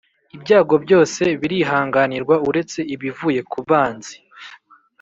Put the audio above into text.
Ibyago byose birihanganirwa, uretse ibivuye ku banzi!